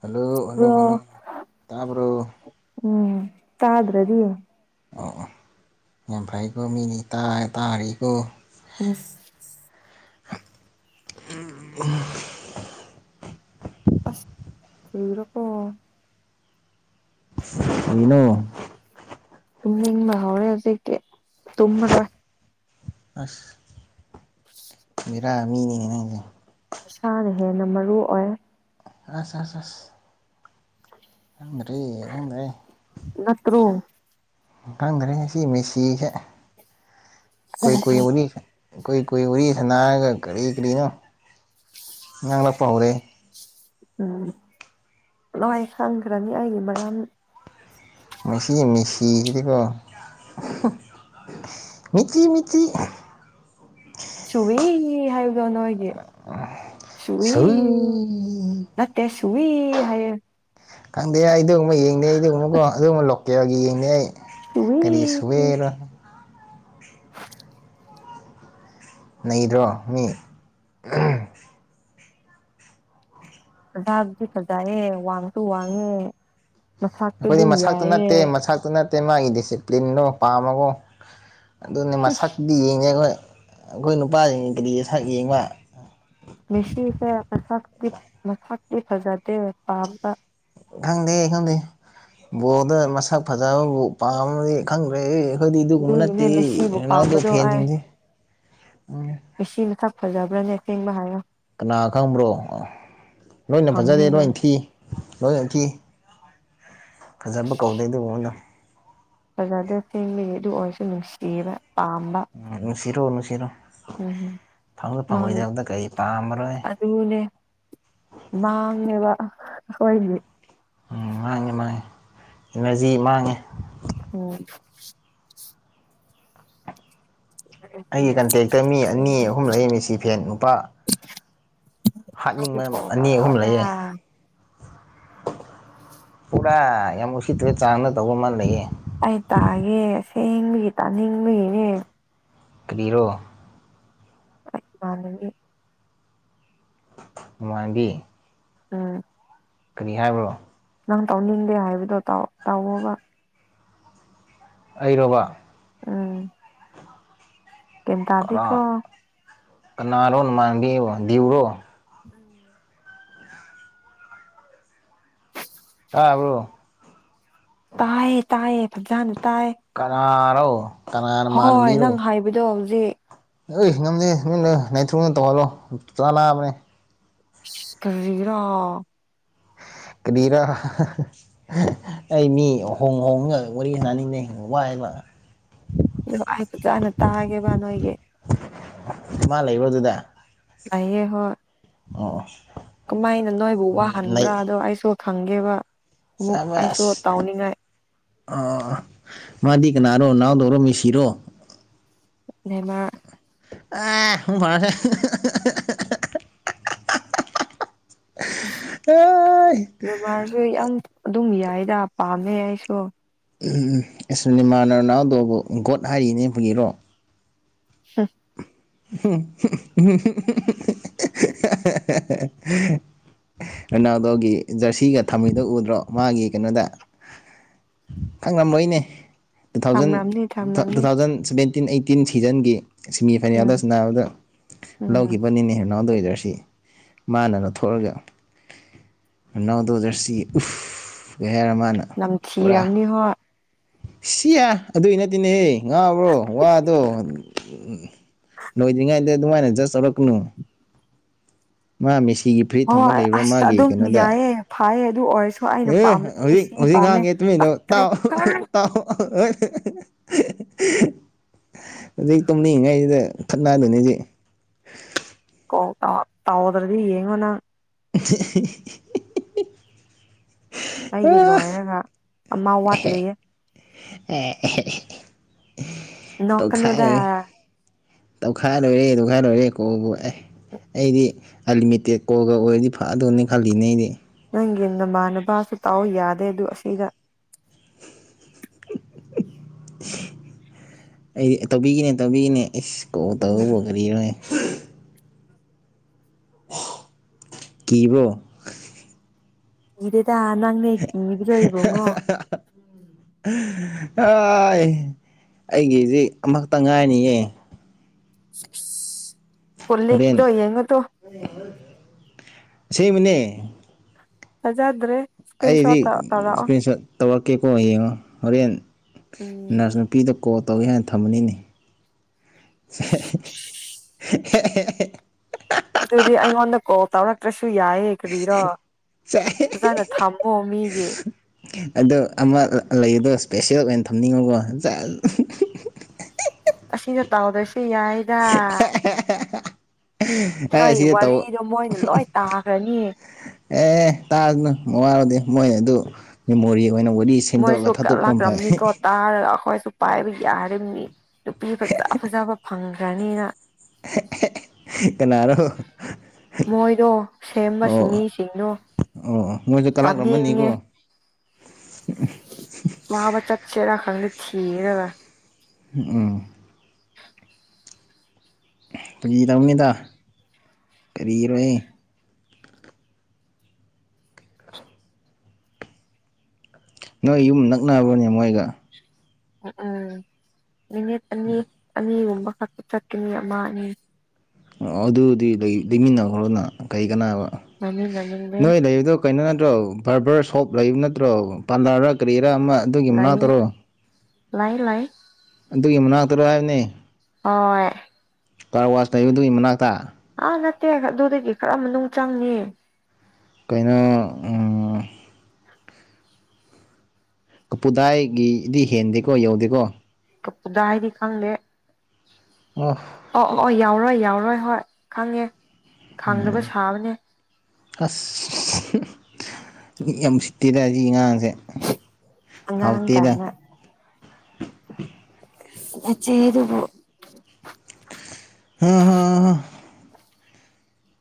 hello hello hello bro ꯇꯥꯕ꯭ꯔꯣ ꯎꯝ ꯇꯥꯗ꯭ꯔꯗꯤ ꯑꯣ ꯌꯥꯝꯐꯥꯏ ꯀꯣ ꯃꯤꯗꯤ ꯇꯥ ꯇꯥꯍꯔꯤ ꯀꯣ ꯏꯁ [unintelligible] ꯑꯁ ꯀꯔꯤꯔꯥ ꯀꯣ ꯀꯔꯤꯅꯣ ꯇꯨꯝꯅꯤꯡꯕ ꯍꯧꯔꯦ ꯍꯧꯖꯤꯛꯇꯤ ꯇꯨꯝꯃꯔꯣꯏ ꯑꯁ ꯑꯁ ꯔꯥ ꯃꯤꯅꯤꯅꯦ ꯅꯪꯖꯦ ꯏꯁꯥꯅ ꯍꯦꯟꯅ ꯃꯔꯨ ꯑꯣꯏ ꯑꯁ ꯑꯁ ꯑꯁ ꯈꯪꯗ꯭ꯔꯦ ꯈꯪꯗ꯭ꯔꯦ ꯅꯠꯇ꯭ꯔꯣ ꯎꯝ ꯈꯪꯗ꯭ꯔꯦ ꯃꯁꯤ ꯃꯤꯁꯤ ꯀꯨꯏ ꯀꯨꯏ ꯎꯅꯤ ꯀꯨꯏ ꯀꯨꯏ ꯋꯥꯔꯤ ꯁꯅꯥꯔꯒ ꯀꯔꯤ ꯀꯔꯤꯅꯣ ꯉꯥ ꯂꯛꯄ ꯍꯧꯔꯦ ꯂꯣꯏ ꯈꯪꯈ꯭ꯔꯅꯤ ꯑꯩꯒꯤ ꯃꯔꯝ ꯃꯁꯤ ꯃꯦꯁꯤꯁꯤꯗꯤꯀꯣ ꯃꯤꯆꯤ ꯃꯤꯆꯤ ꯆꯨꯋꯤ ꯍꯥꯏꯕꯗꯣ ꯅꯣꯢꯒꯤ ꯁꯨꯋꯤ ꯁꯨꯏ ꯅꯠꯇꯦ ꯁꯨꯋꯤ ꯍꯥꯏꯌꯦ ꯈꯪꯗꯦ ꯑꯩ ꯑꯗꯨꯒꯨꯝꯕ ꯌꯦꯡꯗꯦ ꯑꯗꯨꯒꯨꯝꯕꯀꯣ ꯑꯗꯨꯒꯨꯝꯕ ꯂꯣꯀꯦꯜꯒꯤ ꯌꯦꯡꯗꯦ ꯑꯩ ꯁꯨꯋꯤ ꯀꯔꯤ ꯁꯋꯦꯔ ꯅꯩꯗ꯭ꯔꯣ ꯃꯤ ꯑꯝ ꯃꯁꯥꯗꯨꯗꯤ ꯐꯖꯩꯌꯦ ꯋꯥꯡꯁꯨ ꯋꯥꯡꯉꯦ ꯃꯁꯛꯁꯨ ꯑꯩꯈꯣꯏꯗꯤ ꯑꯗꯨꯝ ꯃꯁꯛꯇ ꯅꯠꯇꯦ ꯌꯥꯏꯌꯦ ꯃꯁꯛꯇ ꯅꯠ ꯇꯦ ꯃꯥꯒꯤ ꯗꯤꯁꯤꯄ꯭ꯂꯤꯟꯗꯣ ꯄꯥꯝꯕꯀꯣ ꯑꯗꯨꯅꯦ ꯃꯁꯛꯇꯤ ꯌꯦꯡꯗꯦ ꯈꯣꯏ ꯑꯩꯈꯣꯏ ꯅꯨꯄꯥꯁꯤꯡ ꯀꯔꯤꯒꯤ ꯁꯛ ꯌꯦꯡꯕ ꯃꯦꯁꯤꯁꯦ ꯃꯁꯛꯇꯤ ꯃꯁꯥꯛꯇꯤ ꯐꯖꯗꯦ ꯄꯥꯝꯕ ꯈꯪꯗꯦ ꯈꯪꯗꯦ ꯕꯣꯜꯗ ꯃꯁꯛ ꯐꯖꯕꯕꯨ ꯄꯥꯝꯃꯗꯤ ꯈꯪꯗ꯭ꯔꯦꯍꯦ ꯈꯣꯏꯗꯤ ꯑꯗꯨꯒꯨꯝꯕ ꯑꯗꯨꯒꯤꯅꯦ ꯅꯠꯇꯦ ꯃꯦꯁꯤꯕꯨ ꯔꯣꯅꯥꯜꯗꯣ ꯄꯥꯝꯕꯗꯣ ꯑꯩ ꯐꯦꯟꯖꯤꯡꯖꯦ ꯎꯝ ꯃꯦꯁꯤ ꯃꯁꯛ ꯐꯖꯕ꯭ꯔꯅꯦ ꯑꯁꯦꯡꯕ ꯍꯥꯏꯌꯣ ꯀꯥꯅꯥ ꯈꯪꯕ꯭ꯔꯣ ꯂꯣꯏꯅ ꯐꯖꯗꯦ ꯍꯪꯅꯤꯅ ꯂꯣꯏꯅ ꯊꯤ ꯂꯣꯏꯅ ꯊꯤ ꯐꯖꯕ ꯀꯧꯗꯦ ꯑꯗꯨꯒꯨꯝꯕꯗꯣ ꯐꯖꯗꯦ ꯁꯦꯡꯕꯒꯤ ꯑꯗꯨ ꯑꯣꯏꯔꯁꯨ ꯅꯨꯡꯁꯤꯕ ꯄꯥꯝꯕ ꯁꯤꯔꯣ ꯅꯨꯡꯁꯤꯔꯣ ꯎꯝ ꯐꯪꯗ ꯃꯥ ꯐꯪꯉꯣꯏꯗꯕꯗ ꯀꯔꯤ ꯄꯥꯝꯕ꯭ꯔꯣꯍꯦ ꯃꯥꯥꯡꯉꯦꯕ ꯑꯈꯣꯢꯒꯤ ꯎꯝ ꯃꯥꯡꯉꯦ ꯃꯥꯡꯉꯦ ꯏꯅ꯭ꯔꯖꯤ ꯃꯥꯡꯉꯦ ꯎꯝ ꯑꯩꯒꯤ ꯀꯟꯇꯦꯛꯇ ꯃꯤ ꯑꯅꯤ ꯑꯍꯨꯝ ꯂꯩ ꯃꯦꯁꯤ ꯐꯦꯟ ꯅꯨꯄꯥ ꯍꯥꯠꯅꯤꯡꯕ ꯑꯅꯤ ꯑꯍꯨꯝ ꯂꯩꯌꯦ ꯄꯨꯔꯥ ꯌꯥꯝ ꯎꯁꯤꯠꯇꯕ ꯆꯥꯡꯗ ꯇꯧꯕ ꯑꯃ ꯂꯩꯌꯦ ꯑꯩ ꯇꯥꯒꯦ ꯑꯁꯦꯡꯕꯒꯤ ꯇꯥꯅꯤꯡꯕꯒꯤꯅꯦ ꯀ꯭ꯔꯤ ꯔꯣ ꯑꯩ ꯃꯥꯟꯕꯒꯤ ꯃꯥꯟꯕꯤ ꯎꯝ ꯀꯔꯤ ꯍꯥꯏꯕ꯭ꯔꯣ ꯅꯪ ꯇꯧꯅꯤꯡꯗꯦ ꯍꯥꯏꯕꯗꯣ ꯇꯧ ꯇꯧꯑꯣꯕ ꯑꯩꯔꯣꯕ ꯑꯥ ꯒ꯭ꯌꯥꯟ ꯇꯥꯗꯦꯀꯣ ꯀꯅꯤꯔꯣ ꯅꯃꯥꯟꯕꯤꯕꯣ ꯗ꯭ꯤꯎꯔꯣ ꯎꯝ ꯇꯥꯕ꯭ꯔꯣ ꯇꯥꯌꯦ ꯇꯥꯌꯦ ꯐꯖꯥꯟ ꯀꯅꯥꯔꯣ ꯀꯅꯥ ꯍꯣꯏ ꯅꯪ ꯅꯃꯥꯟꯅꯕꯤꯔꯣ ꯍꯥꯏꯕꯗꯣ ꯍꯧꯖꯤꯛ ꯑꯩ ꯉꯝꯗꯦ ꯃꯤꯟꯂꯩ ꯅꯥꯏꯇ꯭ꯔꯣꯗ ꯇꯧꯍꯜꯂꯣ ꯆꯥꯛꯂꯥꯝꯃꯦ ꯏꯁ ꯀꯔꯤꯔꯥ [unintelligible] ꯀꯔꯤꯔꯥ [unintelligible] ꯑꯩ ꯃꯤ ꯍꯣꯡ ꯍꯣꯡꯒ ꯋꯥꯔꯤ ꯅꯥꯅꯤꯡꯗꯦ ꯋꯥꯏꯕ ꯑꯥꯏ ꯔꯣ ꯑꯩ ꯐꯖꯥꯅ ꯇꯥꯒꯦꯕ ꯅꯣꯏꯒꯤ ꯃꯥ ꯂꯩꯕ꯭ꯔꯣ ꯑꯗꯨꯗ ꯂꯩꯌꯦ ꯍꯣꯏ ꯑꯣ ꯀꯃꯥꯏꯅ ꯅꯣꯏꯕꯨ ꯂꯩ ꯋꯥꯍꯟꯕ꯭ꯔꯥꯗꯣ ꯑꯩꯁꯨ ꯈꯪꯒꯦꯕ ꯑꯃꯨꯛ ꯑꯩꯁꯨ ꯁꯕꯥꯁ ꯇꯧꯅꯤꯡꯉꯥꯏ ꯑꯥ ꯃꯥꯗꯤ ꯀꯅꯥꯔꯣ ꯔꯣꯅꯥꯜꯗꯣꯔꯣ ꯃꯦꯁꯤꯔꯣ ꯅꯦꯃꯥ꯭ꯔ ꯑꯥ ꯄꯨꯡꯕꯥꯔꯣꯗꯩ [unintelligible] ꯅꯦꯃꯥ꯭ꯔꯁꯨ ꯌꯥꯝ ꯑꯗꯨꯝ ꯌꯥꯏꯗ ꯄꯥꯝꯃꯦ ꯑꯩꯁꯨ ꯎꯝ ꯑꯁ ꯅꯦꯃꯥ꯭ꯔꯅ ꯔꯣꯅꯥꯜꯗꯣꯕꯨ ꯒꯣꯠ ꯍꯥꯏꯔꯤꯅꯦ ꯐꯥꯒꯤꯔꯣ ꯍꯝ [unintelligible] ꯔꯣꯅꯥꯜꯗꯣꯒꯤ ꯖ꯭ꯔꯁꯤꯒ ꯊꯝꯃꯤꯗꯣ ꯎꯗ꯭ꯔꯣ ꯃꯥꯒꯤ ꯀꯩꯅꯣꯗ ꯈꯪꯉꯝꯂꯣꯏꯅꯦ ꯇꯨ ꯊꯥꯎꯖꯟ ꯊꯝꯔꯝꯅꯤ ꯇꯨ ꯊꯝꯔꯝꯅꯤ ꯊꯥꯎꯖꯟ ꯁꯥꯚꯦꯟ ꯇꯤꯟ ꯑꯩꯠꯇꯤꯟ ꯁꯤꯖꯟꯒꯤ ꯁꯦꯃꯤꯐꯥꯏꯅꯦꯜꯗ ꯎꯝ ꯁꯥꯟꯅꯥꯕꯗ ꯎꯝ ꯂꯧꯒꯤꯕꯅꯤꯅꯦ ꯔꯣꯅꯥꯜꯗꯣꯒꯤ ꯖ꯭ꯔ ꯁꯤ ꯃꯥꯅ ꯂꯧꯊꯣꯛꯂꯒ ꯔꯣꯅꯥꯜꯗꯣ ꯖ꯭ꯔꯁꯤ ꯎꯞꯐꯐ ꯍꯥꯏꯔꯒ ꯃꯥꯅ ꯄꯨꯔꯥ ꯅꯝꯊꯤꯔꯝꯅꯤ ꯍꯣꯏ ꯁꯤꯌꯥ ꯑꯗꯨꯏ ꯅꯠꯇꯦꯅꯦꯍꯦ ꯉꯥꯎꯕ꯭ꯔꯣ ꯋꯥꯗꯣ ꯎꯝ ꯂꯣꯏꯗ꯭ꯔꯤꯉꯩꯗ ꯑꯗꯨꯃꯥꯏꯅ ꯖ꯭ꯁ ꯇꯧꯔꯛꯀꯅꯨ ꯃꯥ ꯃꯦꯁꯤ ꯁꯤꯒꯤ ꯐ꯭ꯔꯤ ꯊꯝꯕ ꯍꯣꯏ ꯂꯩꯕ꯭ꯔꯥ ꯑꯁ ꯃꯥꯒꯤ ꯑꯗꯨꯝ ꯀꯩꯅꯣꯗ ꯌꯥꯏꯌꯦ ꯐꯩꯌꯦ ꯑꯗꯨ ꯑꯣꯏꯔꯁꯨ ꯑꯩꯅ ꯑꯦ ꯄꯥꯝꯕꯗꯤ ꯍꯧꯖꯤꯛ ꯃꯦꯁꯤ ꯍꯧꯖꯤꯛ ꯄꯥꯝꯃꯦ ꯉꯥꯡꯉꯦ ꯅꯒꯤꯗꯣ ꯄꯛꯇ꯭ꯔꯦ ꯇꯥꯎ ꯑꯍ ꯍꯥꯏ ꯇꯥꯎ ꯑꯍ ꯍꯧꯖꯤꯛ ꯇꯨꯝꯅꯤꯡꯏꯉꯩꯁꯤꯗ ꯈꯠꯅꯗꯨꯅꯤꯁꯤ ꯑꯣ ꯇꯥꯎ ꯇꯥꯎꯗ꯭ꯔꯗꯤ ꯌꯦꯡꯉꯣ ꯅꯪ [unintelligible] ꯑꯩꯒꯤ ꯍꯧꯖꯤꯛ ꯂꯣꯏꯔꯒ ꯑꯃ ꯋꯥꯠꯂꯤꯌꯦ ꯑꯦ ꯑꯦꯍꯦ ꯑꯦꯍꯦ ꯅꯣꯛꯀꯅꯨꯗ ꯇꯧꯈꯥꯏꯔꯩ ꯇꯧꯈꯥꯏ ꯂꯣꯏꯔꯦ ꯇꯣꯈꯥꯏ ꯂꯣꯏꯔꯦ ꯀꯣꯕꯨ ꯑꯦ ꯑꯩꯗꯤ ꯑꯟꯂꯤꯃꯤꯇꯦꯠ ꯀꯣꯜꯒ ꯑꯣꯏꯔꯗꯤ ꯐꯗꯣꯏꯅꯦ ꯈꯜꯂꯤꯅꯦ ꯑꯩꯗꯤ ꯅꯪꯒꯤ ꯅꯃꯥꯟꯅꯕꯁꯨ ꯇꯥꯎꯑꯣ ꯌꯥꯗꯦ ꯑꯗꯨ ꯑꯁꯤꯒ ꯑꯩꯗꯤ ꯇꯧꯕꯤꯒꯦꯅꯦ ꯇꯧꯕꯤꯒꯦꯅꯦ ꯏꯁ ꯀꯧ ꯎꯝ ꯇꯧꯕꯕꯨ ꯀꯔꯤꯔꯥꯍꯦ ꯀꯤꯕ꯭ꯔꯣ ꯀꯤꯗꯦꯗ ꯅꯪꯅꯦ ꯀꯤꯕꯗꯣ ꯏꯕꯨꯡꯉꯣ ꯏꯪ ꯍꯥ ꯍꯥ ꯍꯥꯏ ꯑꯩꯒꯤꯁꯤ ꯑꯃꯈꯛꯇꯪ ꯉꯥꯏꯔꯅꯤꯌꯦ ꯍꯣꯔꯦꯟ ꯄꯨꯂꯤꯛꯇꯣ ꯌꯦꯡꯉꯣ ꯇꯨ ꯑꯁꯦꯡꯕꯅꯦ ꯊꯥꯖꯗ꯭ꯔꯦ ꯑꯩꯗꯤ ꯏꯁꯀ꯭ꯔꯤꯟ ꯁꯣꯠ ꯇꯧꯔꯛꯀꯦꯀꯣ ꯌꯦꯡꯉꯣ ꯍꯣꯔꯦꯟ ꯎꯝ ꯅꯔꯁ ꯅꯨꯄꯤꯗ ꯀꯣꯜ ꯇꯧꯒꯦ ꯍꯥꯏꯅ ꯊꯝꯕꯅꯤꯅꯦ ꯍꯦ ꯍꯦ ꯍꯦ ꯑꯗꯨꯗꯤ ꯑꯩꯉꯣꯟꯗ ꯀꯣꯜ ꯇꯧꯔꯛꯇ꯭ꯔꯁꯨ ꯁꯨ ꯌꯥꯏꯌꯦ ꯀꯔꯤꯔꯣ ꯐꯖꯅ ꯊꯝꯃꯣ ꯃꯤꯒꯤ ꯑꯗꯣ ꯑꯃ ꯂꯩ ꯑꯗꯣ ꯏꯁꯄꯦꯁꯦꯜ ꯑꯣꯏꯅ ꯊꯝꯅꯤꯡꯕ ꯁꯦꯁ ꯑꯁꯤꯗ ꯇꯥꯎꯗꯁꯨ ꯌꯥꯏꯗ ꯍꯥꯏ ꯅꯣꯏ ꯑꯁꯤꯗ ꯇꯧ ꯋꯥꯔꯤꯗꯣ ꯃꯣꯏꯅ ꯂꯣꯏ ꯇꯥꯈ꯭ꯔꯅꯤ ꯑꯦ ꯇꯥꯔꯅꯨ ꯃꯋꯥ ꯂꯧꯗꯦ ꯃꯣꯏ ꯑꯗꯨ ꯃꯦꯃꯣꯔꯤ ꯑꯣꯏꯅ ꯋꯥꯔꯤ ꯁꯦꯝꯗꯣꯛꯑꯒ ꯃꯣꯏꯁꯨ ꯊꯥꯗꯣꯛꯄ ꯑꯃ ꯐꯩ ꯀꯂꯛꯂꯝꯅꯤꯀꯣ ꯇꯥꯔꯒ ꯑꯩꯈꯣꯏꯁꯨ ꯄꯥꯏꯕ ꯌꯥꯔꯤꯕꯅꯤ ꯅꯨꯄꯤ ꯐꯖ ꯐꯖꯕ ꯐꯪꯈ꯭ꯔꯅꯤꯅ ꯀꯅꯥꯔꯣ ꯃꯣꯏꯗꯣ ꯁꯦꯝꯕ ꯁꯤꯡꯃꯤꯁꯤꯡꯗꯣ ꯑꯣ ꯑꯣ ꯃꯣꯏꯗꯣ ꯀꯂꯛꯂꯝꯃꯅꯤꯀꯣ ꯃꯥꯕ ꯆꯠꯁꯤꯔ ꯈꯪꯗꯦ ꯊꯤꯔꯒ ꯎꯝ ꯑꯦ ꯐꯥꯒꯤ ꯇꯧꯕꯅꯤꯗ ꯀꯔꯤꯔꯣꯏ ꯍꯦ ꯅꯣꯏ ꯌꯨꯝ ꯅꯛꯅꯕ꯭ꯔꯣꯅꯦ ꯃꯣꯏꯒ ꯎꯝ ꯃꯤꯅꯤꯠ ꯑꯅꯤ ꯑꯅꯤꯒꯨꯝꯕ ꯈꯛꯇ ꯆꯠꯀꯅꯤ ꯑꯃ ꯑꯅꯤ ꯑꯣ ꯑꯗꯨꯗꯤ ꯂꯩ ꯂꯩꯃꯤꯟꯅꯈ꯭ꯔꯣꯅ ꯀꯔꯤ ꯀꯅꯥꯕ [unintelligible] ꯀꯩꯅꯣ ꯅꯠꯇ꯭ꯔꯣ ꯕꯥꯔꯕ꯭ꯔ ꯁꯣꯞ ꯂꯩꯕ ꯅꯠꯇ꯭ꯔꯣ ꯄꯥꯟꯂꯥꯔ ꯀꯔꯤ ꯈꯔ ꯑꯃ ꯑꯗꯨꯒꯤ ꯂꯩꯌꯦ ꯃꯅꯥꯛꯇꯔꯣ ꯂꯩ ꯂꯩ ꯑꯗꯨꯒꯤ ꯃꯅꯥꯛꯇꯔꯣ ꯍꯥꯏꯕꯅꯤ ꯑꯣꯏ ꯀꯥꯔꯋꯥꯁ ꯂꯩꯕꯗꯨꯒꯤ ꯃꯅꯥꯛꯇ ꯑꯥ ꯅꯠꯇꯦ ꯑꯗꯨꯗꯒꯤ ꯈꯔ ꯃꯅꯨꯡ ꯆꯪꯅꯤ ꯀꯩꯅꯣ ꯎꯝ ꯀꯞꯄꯨꯗꯥꯏꯒꯤꯗꯤ ꯍꯦꯟꯗꯦꯀꯣ ꯌꯧꯗꯦꯀꯣ ꯀꯞꯄꯨꯗꯥꯏꯗꯤ ꯈꯪꯗꯦ ꯑꯣ ꯑꯣ ꯑꯣ ꯑꯣ ꯌꯧꯔꯣꯏ ꯌꯥꯎꯔꯣꯏ ꯍꯣꯏ ꯈꯪꯉꯦ ꯈꯪꯗꯕ ꯁꯥꯕꯅꯦ ꯑꯁ ꯍꯨꯝ ꯃꯤꯌꯥꯝ ꯎꯁꯤꯠ ꯇꯤꯗ ꯁꯤ ꯑꯉꯥꯡꯁꯦ ꯑꯉꯥꯡ ꯍꯥꯎꯇꯦꯗ ꯀꯥꯏꯅ ꯑꯁ ꯅꯆꯦꯗꯨꯕꯨ ꯍꯥ ꯍꯥ ꯍꯥ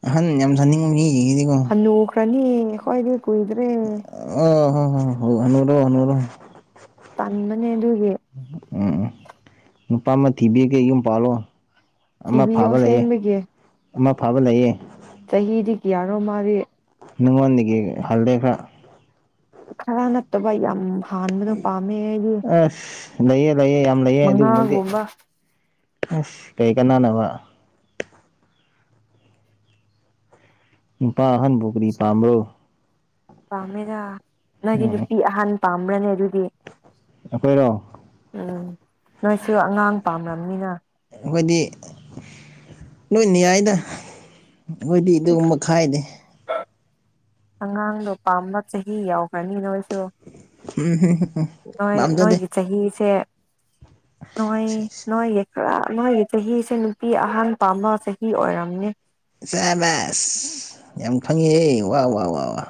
ꯑꯍꯟ ꯌꯥꯝ ꯁꯥꯅꯤꯡꯕ ꯃꯤ ꯖꯤꯡꯁꯤꯗꯤꯀꯣ ꯀꯂꯤ ꯑꯈꯣꯢꯗꯨ ꯀꯨꯢꯗ꯭ꯔꯦ ꯑꯝ ꯍꯣꯏ ꯍꯅꯨꯔꯣ ꯍꯅꯨꯔꯣ ꯇꯟꯕꯅꯦ ꯑꯗꯨꯢ ꯎꯝ ꯎꯝ ꯅꯨꯄꯥ ꯑꯃ ꯊꯤꯕꯤꯒꯦ ꯌꯨꯝ ꯄꯥꯜꯂꯣ ꯑꯃ ꯊꯤꯕꯤꯌꯣ ꯐꯥꯕ ꯂꯩꯌꯦ ꯑꯁꯦꯡꯕꯒꯤ ꯑꯃ ꯐꯥꯕ ꯂꯩꯌꯦ ꯌꯥꯔꯣ ꯃꯥꯗꯤ ꯅꯉꯣꯟꯗꯒꯤ ꯍꯜꯂꯦ ꯈꯔ ꯈꯔ ꯅꯠꯇꯕ ꯌꯥꯝ ꯍꯥꯟꯕꯗꯣ ꯄꯥꯝꯃꯦ ꯑꯩꯗꯤ ꯑꯁ ꯂꯩꯌꯦ ꯂꯩꯌꯦ ꯌꯥꯝ ꯂꯩꯌꯦ ꯑꯗꯨꯒꯨꯝꯕꯗꯤ ꯃꯉꯥꯒꯨꯝꯕ ꯍꯁ ꯀꯩ ꯀꯅꯥꯅꯕ ꯅꯨꯄꯥ ꯑꯍꯟ ꯕꯨ ꯀꯔꯤ ꯄꯥꯝꯕ꯭ꯔꯣ ꯄꯥꯝꯃꯦꯅ ꯅꯣꯏꯗꯤ ꯎꯝ ꯅꯨꯄꯤ ꯑꯍꯥꯟ ꯄꯥꯝꯕ꯭ꯔꯅꯦ ꯑꯗꯨꯗꯤ ꯑꯩꯈꯣꯏꯔꯣ ꯎꯝ ꯅꯣꯏꯁꯨ ꯑꯉꯥꯡ ꯄꯥꯝꯔꯝꯅꯤꯅ ꯑꯩꯈꯣꯏꯗꯤ ꯂꯣꯏꯅ ꯌꯥꯏꯗ ꯑꯩꯈꯣꯏꯗꯤ ꯑꯗꯨꯒꯨꯝꯕ ꯈꯥꯏꯗꯦ ꯑꯉꯥꯡꯗꯣ ꯄꯥꯝꯕ ꯆꯍꯤ ꯌꯥꯎꯈ꯭ꯔꯅꯤ ꯅꯣꯏꯗꯣ ꯎꯝ ꯍꯨꯝ ꯍꯨꯝ ꯅꯣꯏ ꯅꯣꯏꯒꯤ ꯆꯍꯤꯁꯦ ꯅꯣꯏ ꯅꯣꯏ ꯌꯦ ꯈꯔ ꯅꯣꯏꯒꯤ ꯆꯍꯤꯁꯦ ꯅꯨꯄꯤ ꯑꯍꯟ ꯄꯥꯝꯕ ꯆꯍꯤ ꯑꯣꯏꯔꯝꯅꯤ ꯁꯦꯕꯁ ꯌꯥꯝ ꯈꯪꯉꯤꯍꯦ ꯋꯥ ꯋꯥ ꯋꯥ ꯋꯥ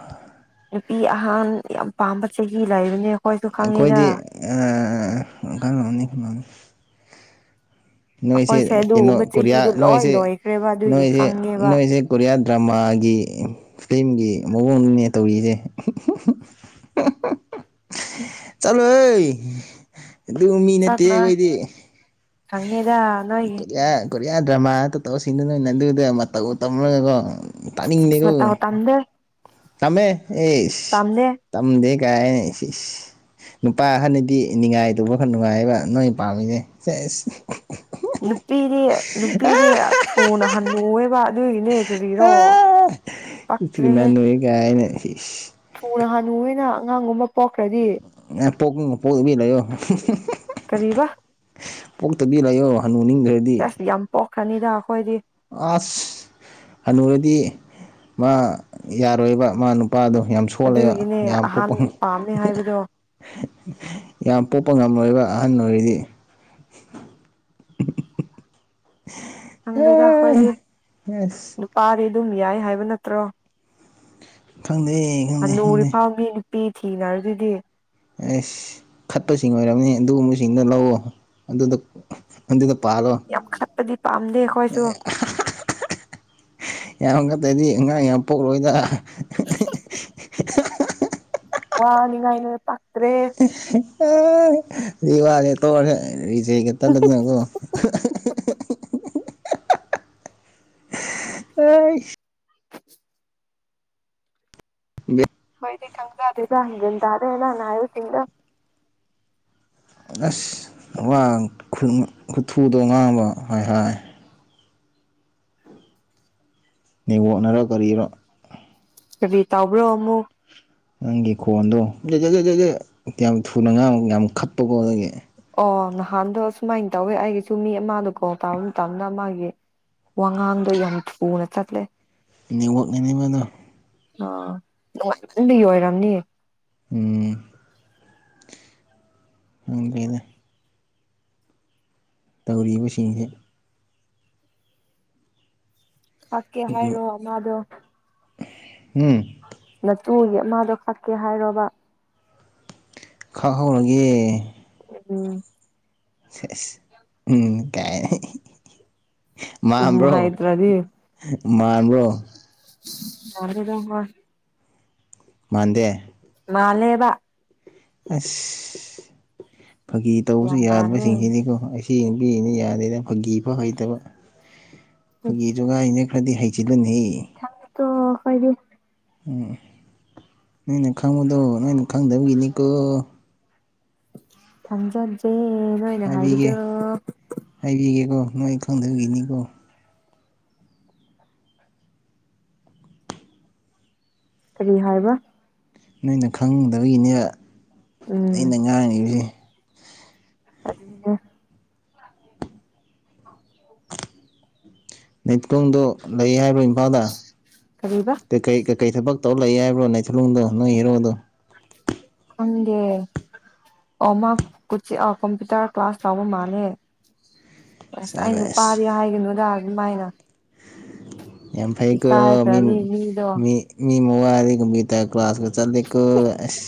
ꯅꯨꯄꯤ ꯑꯍꯥꯟ ꯌꯥꯝ ꯄꯥꯝꯕ ꯆꯍꯤ ꯂꯩꯕꯅꯦ ꯑꯩꯈꯣꯏꯁꯨ ꯈꯪꯉꯦꯗ ꯑꯩꯈꯣꯏꯗꯤ ꯑꯥ ꯀꯩꯅꯣꯅꯤ ꯅꯣꯏꯁꯦ ꯑꯩꯈꯣꯏꯁꯦ ꯀꯩꯅꯣ ꯑꯗꯨꯒꯨꯝꯕ ꯀꯣꯔꯤꯌꯥ ꯆꯍꯤꯗꯨ ꯂꯣꯏ ꯅꯣꯏꯁꯦ ꯂꯣꯏꯈ꯭ꯔꯦꯕ ꯑꯗꯨꯒꯤ ꯅꯣꯏꯁꯦ ꯈꯪꯉꯦꯕ ꯅꯣꯏꯁꯦ ꯀꯣꯔꯤꯌꯥ ꯗ꯭ꯔꯃꯥꯒꯤ ꯐꯤꯂꯝꯒꯤ ꯃꯑꯣꯡꯗꯨꯅꯦ ꯇꯧꯔꯤꯁꯦ ꯆꯠꯂꯣꯍꯦ ꯑꯗꯨ ꯃꯤ ꯅꯠꯇꯦ ꯑꯩꯈꯣꯏꯗꯤ ꯈꯪꯉꯤꯗ ꯅꯣꯏꯒꯤ ꯀꯣꯔꯤꯌꯥ ꯀꯣꯔꯤꯌꯥ ꯗ꯭ꯔꯃꯗ ꯇꯧꯁꯤꯟꯗꯨꯅ ꯅꯣꯏꯅ ꯑꯗꯨꯗ ꯃꯇꯧꯒ ꯇꯝꯔꯒꯀꯣ ꯏꯁ ꯏꯁ ꯃꯇꯥꯝ ꯃꯇꯝꯗꯦ ꯇꯃꯦ ꯏꯁ ꯇꯝꯗꯦ ꯀꯥꯏꯅ ꯏꯁ ꯏꯁ ꯅꯨꯄꯥ ꯑꯍꯅꯗꯤ ꯅꯤꯉꯥꯏ ꯇꯧꯕ ꯈꯔ ꯅꯨꯡꯉꯥꯏꯕ ꯅꯣꯏ ꯄꯥꯝꯃꯤꯁꯦ ꯁꯦꯁ ꯅꯨꯄꯤꯗꯤ ꯅꯨꯄꯤꯗꯤ ꯊꯨꯅ ꯍꯜꯅꯨꯋꯦꯕ ꯑꯗꯨꯒꯤꯅꯦ ꯀꯔꯤꯔꯣ ꯑꯥ ꯊꯤꯅ ꯄꯛꯇ꯭ꯔꯦꯍꯦ ꯅꯣꯏ ꯀꯥꯏꯅ ꯏꯁ ꯊꯨꯅ ꯍꯥꯟꯅꯨꯑꯅ ꯑꯉꯥꯡꯒꯨꯝꯕ ꯄꯣꯛꯈ꯭ꯔꯗꯤ ꯅꯪ ꯄꯣꯛꯅꯤꯡꯑ ꯄꯣꯛ ꯇꯕꯤ ꯂꯩꯌꯣ ꯀꯔꯤꯕ ꯄꯣꯛꯇꯕꯤ ꯂꯩꯌꯣ ꯍꯟꯨ ꯅꯤꯡꯗ꯭ꯔꯗꯤ ꯀꯅꯤꯗ ꯑꯩꯈꯣꯏꯗꯤ ꯑꯁ ꯍꯅꯨꯔꯗꯤ ꯃꯥ ꯌꯥꯔꯣꯏꯕ ꯃꯥ ꯅꯨ ꯅꯨꯄꯥꯗꯣ ꯌꯥꯝ ꯁꯣꯜꯂꯦꯕ ꯑꯗꯨꯒꯤꯅꯦ ꯌꯥꯝ ꯑꯍꯥꯟ ꯄꯣꯛꯄ ꯄꯥꯝꯃꯦ ꯍꯥꯏꯕꯗꯣ ꯌꯥꯝ ꯄꯣꯛꯄ ꯉꯝꯔꯣꯢꯕ ꯑꯍꯟ ꯑꯣꯏꯔꯗꯤ ꯈꯪꯗꯦꯗ ꯑꯩꯈꯣꯏꯗꯤ ꯑꯁ ꯅꯨꯨꯄꯥꯗꯤ ꯑꯗꯨꯝ ꯌꯥꯏ ꯍꯥꯏꯕ ꯅꯠꯇ꯭ꯔꯣ ꯈꯪꯗꯦ ꯈꯪꯗꯦ ꯍꯅꯨꯔꯤ ꯈꯪꯗꯦ ꯐꯥꯎ ꯃꯤ ꯅꯨꯄꯤ ꯊꯤꯅꯔꯁꯤꯗꯤ ꯑꯁ ꯈꯠꯄꯁꯤꯡ ꯑꯣꯏꯔꯝꯅꯤ ꯑꯗꯨꯒꯨꯝꯕꯁꯤꯡꯗꯣ ꯂꯧꯑꯣ ꯑꯗꯨꯗ ꯑꯗꯨꯗ ꯄꯥꯜꯂꯣ ꯌꯥꯝ ꯈꯠꯄꯗꯤ ꯄꯥꯝꯗꯦ ꯑꯩꯈꯣꯏꯁꯨ ꯌꯥꯝ ꯉꯛꯇꯗꯤ ꯑꯉꯥꯡ ꯌꯥꯝ ꯄꯣꯛꯂꯣꯏꯗ ꯋꯥꯅꯤ ꯉꯥꯏꯅ ꯋꯥꯅꯦ ꯇꯣꯛ [unintelligible] ꯑ [inaudible] [inaudible] ꯈꯪꯖꯗꯦꯗ ꯒ꯭ꯌꯥꯟ ꯇꯥꯗꯦ ꯅꯪꯅꯥ ꯍꯥꯏꯕꯁꯤꯡꯗꯣ ꯑꯁ ꯋꯥ ꯈꯨꯊꯨ ꯈꯨꯊꯨꯗꯣ ꯉꯥꯡꯕ ꯍꯥꯏ ꯍꯥꯏ ꯅꯦꯠꯋꯥꯛꯅꯔ ꯀꯔꯤꯔꯥ ꯀꯔꯤ ꯇꯧꯕ꯭ꯔꯣ ꯑꯃꯨꯛ ꯅꯪꯒꯤ ꯈꯣꯟꯗꯣ [unintelligible] ꯌꯥꯝ ꯊꯨꯅꯥ ꯉꯥꯡ ꯌꯥꯝ ꯈꯠꯄꯀꯣ ꯑꯗꯨꯒꯤ ꯑꯣ ꯅꯍꯥꯟꯗꯣ ꯁꯨꯃꯥꯏꯅ ꯇꯧꯋꯦ ꯑꯩꯒꯤꯁꯨꯨꯝ ꯃꯤ ꯑꯃꯗꯣ ꯀꯣꯜ ꯇꯧꯕ ꯃꯇꯝꯗ ꯃꯥꯒꯤ ꯋꯥꯉꯥꯡꯗꯣ ꯌꯥꯝ ꯊꯨꯅ ꯆꯠꯂꯦ ꯅꯦꯠꯋꯥꯛꯅꯅꯦꯕ ꯑꯗꯣ ꯅꯨꯉꯥꯏꯃꯟꯕꯒꯤ ꯑꯣꯏꯔꯝꯅꯤ ꯎꯝ ꯈꯪꯗꯦꯗ ꯇꯧꯔꯤꯕꯁꯤꯡꯁꯦ ꯊꯛꯀꯦ ꯑꯗꯨ ꯍꯥꯏꯔꯣ ꯑꯃꯥꯗꯣ ꯎꯝ ꯇꯨꯒꯦ ꯑꯃꯥꯗꯣ ꯀꯛꯀꯦ ꯍꯥꯏꯔꯣꯕ ꯈꯥꯛꯍꯧꯔꯒꯦ ꯎꯝ ꯁꯦꯁ ꯎꯝ ꯀꯥꯏꯅ ꯎꯝ ꯃꯥꯟꯕ꯭ꯔꯣ ꯍꯥꯏꯗ꯭ꯔꯗꯤ ꯃꯥꯥꯟꯕ꯭ꯔꯣ [unintelligible] ꯃꯥꯟꯗꯦ ꯃꯥꯂꯦꯕ ꯑꯁ ꯐꯥꯒꯤ ꯇꯧꯕꯁꯨ ꯌꯥꯝ ꯃꯥꯜꯂꯦ ꯌꯥꯗꯕꯁꯤꯡꯁꯤꯅꯤꯀꯣ ꯆꯦꯡꯕꯤꯅꯤ ꯌꯥꯅꯤꯅ ꯐꯥꯒꯤ ꯐꯧ ꯍꯩꯇꯕ ꯐꯒꯤ ꯖꯨꯒꯥꯏꯅꯦ ꯈꯔꯗꯤ ꯍꯩꯖꯤꯜꯂꯨꯅꯍꯦ ꯈꯪꯇꯦꯗꯣ ꯈꯣꯏꯗꯤ ꯎꯝ ꯅꯣꯏꯅ ꯈꯪꯕꯗꯣ ꯅꯣꯏꯅ ꯈꯪꯗꯕꯒꯤꯅꯤꯀꯣ ꯊꯥꯡꯖꯠꯁꯦ ꯅꯣꯏꯅ ꯍꯥꯏꯕꯗꯣ ꯅꯥꯏ ꯈꯪꯗꯕꯒꯤꯅꯤꯀꯣ ꯀꯔꯤ ꯍꯥꯏꯕ ꯅꯣꯏꯅ ꯈꯪꯗꯕꯒꯤꯅꯦ ꯎꯝ ꯑꯩꯅ ꯉꯥꯡꯉꯤꯖꯦ ꯑꯗꯨꯅꯦ ꯂꯩꯇꯣꯡꯗꯣ ꯂꯩ ꯍꯥꯏꯕ꯭ꯔꯣ ꯏꯝꯐꯥꯜꯗ ꯀꯔꯤꯕ ꯀꯩ ꯀꯩ ꯀꯩ ꯊꯕꯛ ꯇꯧ ꯂꯩꯑꯦ ꯍꯥꯏꯕ꯭ꯔꯣ ꯅꯩꯊꯨꯂꯨꯡꯗꯣ ꯅꯣꯏ ꯍꯦꯔꯣꯗꯣ ꯈꯪꯗꯦ ꯑꯣ ꯃꯥꯥ ꯀꯣꯆꯤ ꯀꯝꯄ꯭ꯌꯨꯇꯔ ꯀ꯭ꯂꯥꯁ ꯇꯧꯕ ꯃꯥꯜꯂꯦ ꯑꯁ ꯁꯕꯥꯁ ꯑꯩꯅꯨꯄꯥꯥꯗꯤ ꯍꯥꯏꯒꯅꯨꯗ ꯑꯗꯨꯃꯥꯏꯅ ꯌꯥꯝ ꯐꯩ ꯀꯣ ꯃꯤꯝ ꯏꯀꯥꯏꯈ꯭ꯔꯅꯤ ꯃꯤꯗꯣ ꯃꯤ ꯃꯤ ꯃ ꯋꯥꯗꯤ ꯀꯝꯄ꯭ꯌꯨꯇꯔ ꯀ꯭ꯂꯥꯁꯀ ꯆꯠꯂꯤꯀꯣ ꯑꯁ